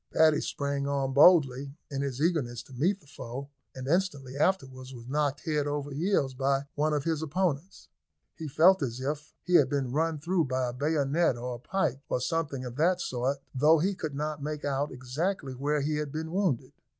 Paddy sprang on boldly, in his eagerness to meet the foe, and instantly afterwards was knocked head over heels by one of his opponents. He felt as if he had been run through by a bayonet or a pike, or something of that sort, though he could not make out exactly where he had been wounded.